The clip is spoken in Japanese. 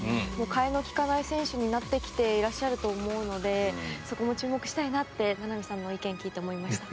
代えの利かない選手になってきてると思いますのでそこも注目したいなと名波さんの意見を聞いて思いました。